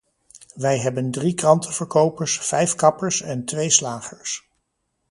Wij hebben drie krantenverkopers, vijf kappers en twee slagers.